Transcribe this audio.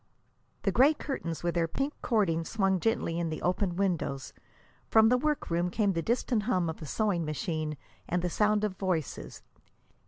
The gray curtains with their pink cording swung gently in the open windows. From the work room came the distant hum of a sewing machine and the sound of voices.